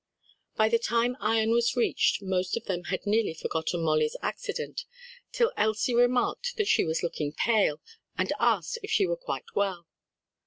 By the time Ion was reached, most of them had nearly forgotten Molly's accident, till Elsie remarked that she was looking pale, and asked if she were quite well.